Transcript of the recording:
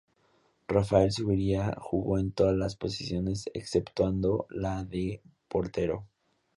Rafael Zuviría jugó en todas las posiciones exceptuando la de portero.